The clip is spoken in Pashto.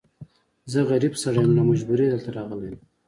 زه غريب سړی يم، له مجبوری دلته راغلی يم.